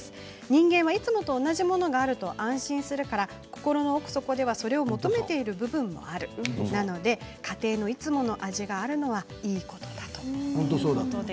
人間はいつもと同じものがあると安心するから心の奥底ではそれを求めている部分もあるなので、家庭のいつもの味が本当そうだと思う。